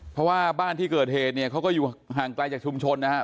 เพราะว่าบ้านที่เกิดเหตุเนี่ยเขาก็อยู่ห่างไกลจากชุมชนนะครับ